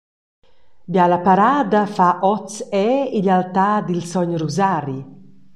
Biala parada fa oz era igl altar dil s. Rusari.